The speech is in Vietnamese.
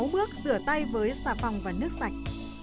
sáu bước rửa tay với xà phòng và nước sạch